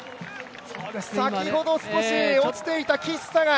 先ほど少し落ちていたキッサが。